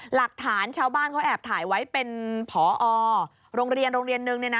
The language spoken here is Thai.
หลักฐานชาวบ้านเขาแอบถ่ายไว้เป็นผอโรงเรียนโรงเรียนนึง